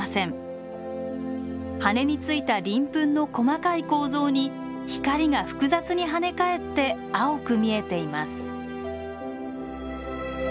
羽についたりん粉の細かい構造に光が複雑にはね返って青く見えています。